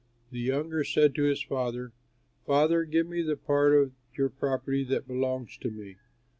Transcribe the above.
The younger said to his father, 'Father, give me the part of your property that belongs to me.'